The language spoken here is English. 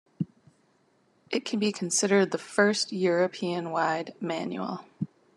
It can be considered the first European-wide manual.